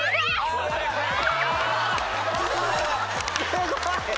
すごい！